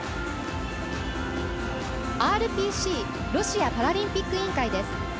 ＲＰＣ＝ロシアパラリンピック委員会です。